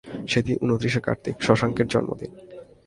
সেদিন উনত্রিশে কার্তিক, শশাঙ্কের জন্মদিন।